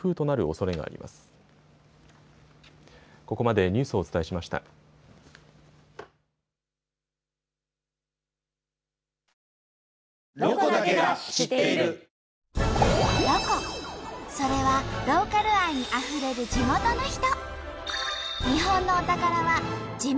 それはローカル愛にあふれる地元の人。